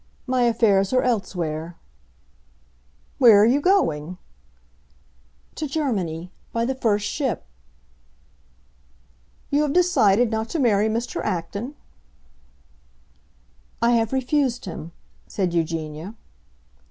My affairs are elsewhere." "Where are you going?" "To Germany—by the first ship." "You have decided not to marry Mr. Acton?" "I have refused him," said Eugenia.